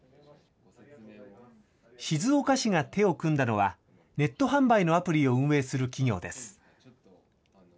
静岡市が手を組んだのは、ネット販売のアプリを運営する企業です。